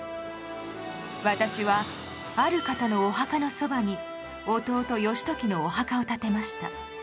私はある方のお墓のそばに弟義時のお墓を建てました。